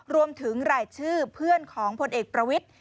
รวมถึงรายชื่อเพื่อนของพลเอกประวิทธิ